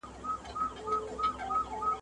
د ونو ښکلا همدغه د ځنګدن !.